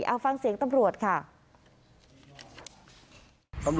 เอาฟังเสียงตำรวจค่ะ